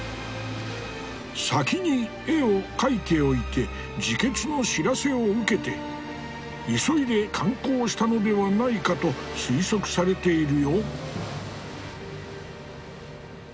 先に絵を描いておいて自決の知らせを受けて急いで刊行したのではないかと推測されているよ。